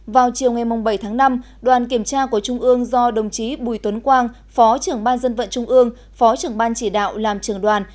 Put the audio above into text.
vào chiều ngày bảy tháng năm đoàn kiểm tra của trung ương do đồng chí bùi tuấn quang phó trưởng ban dân vận trung ương phó trưởng ban chỉ đạo làm trường đoàn